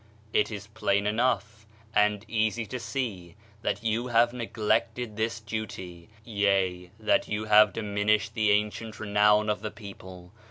It is plain enough, and easy to see that you have neglected this duty, yea, that you have diminished the ancient renown of the people.